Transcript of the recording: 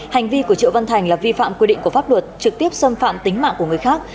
hành vi của triệu văn thành là vi phạm quy định của pháp luật trực tiếp xâm phạm tính mạng của người khác